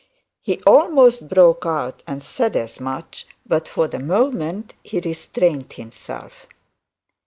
He almost broke out, and said as much; but for the moment he restrained himself.